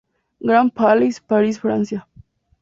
Grand Palais, París, Francia.